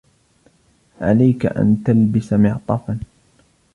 عليك أن تلبس معطفا.